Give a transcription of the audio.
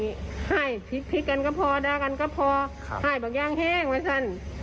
ใช่ผิดกันก็พอด้ากันก็พอใช่บอกยังแห้งว่าซัน